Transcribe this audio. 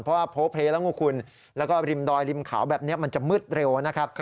เพราะพบเพรย์ละโงคุณแล้วก็ริมดอยริมขาวแบบเนี้ยมันจะมืดเร็วนะครับ